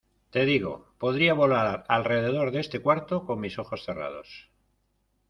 ¡ Te digo, podría volar alrededor de este cuarto con mis ojos cerrados!